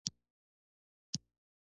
•تلوار مه کوه یو شېبه کښېنه.